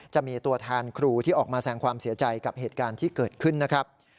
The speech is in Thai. จะมีตัวแทนครูที่ออกมาแสงความเสียใจกับเหตุการณ์ที่เกิดขึ้นนะครับ